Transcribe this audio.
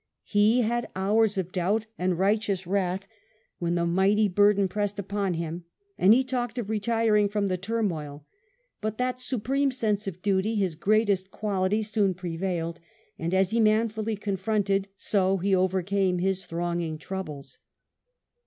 He had hours of doubt and righteous wrath when the mighty burden pressed upon him, and he talked of retiring from the turmoil ; but that supreme sense of duty, his greatest quality, soon prevailed; and as he manfully confronted, so he overcame his thronging troubles.